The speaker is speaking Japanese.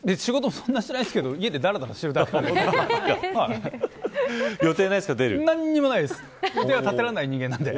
そんなにしてないですけど家でだらだらしてるだけで何もないです。